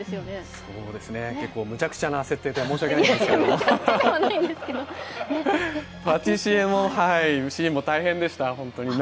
そうですね、結構むちゃくちゃな設定で申し訳ないんですけど、パティシエのシーンも大変でした。